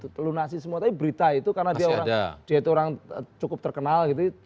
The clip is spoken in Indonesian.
tapi berita itu karena dia orang cukup terkenal